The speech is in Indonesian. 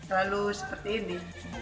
lalu seperti ini